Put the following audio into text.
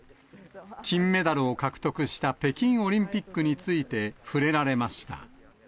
金メダルを獲得した北京オリンピックについて触れられました。